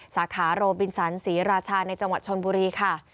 สาขาโรบินสันศรีราชาในจังหวัดชนบุรีค่ะ